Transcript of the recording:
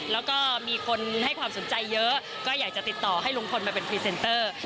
แล้วก็มีคนให้ความสนใจเยอะก็อยากจะติดต่อให้ลุงพลมาเป็นพรีเซนเตอร์